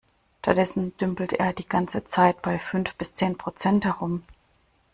Stattdessen dümpelt er die ganze Zeit bei fünf bis zehn Prozent herum.